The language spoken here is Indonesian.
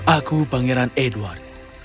aku pangeran edward